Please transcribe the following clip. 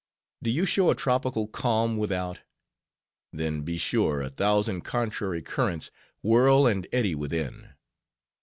Do you show a tropical calm without? then, be sure a thousand contrary currents whirl and eddy within.